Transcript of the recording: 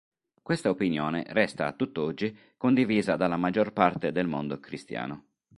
Questa opinione resta a tutt'oggi condivisa dalla maggior parte del mondo cristiano.